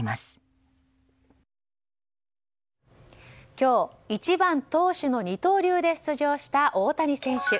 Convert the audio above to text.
今日、１番、投手の二刀流で出場した大谷選手。